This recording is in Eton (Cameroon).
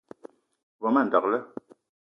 O be ma ndekle